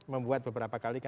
membuat beberapa kali